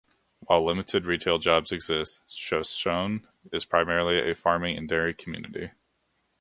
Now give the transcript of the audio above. While limited retail jobs exist, Shoshone is primarily a farming and dairy community.